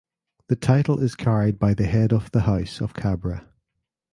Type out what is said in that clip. The title is carried by the head of the House of Cabra.